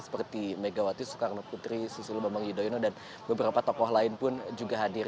seperti megawati soekarno putri susilo bambang yudhoyono dan beberapa tokoh lain pun juga hadir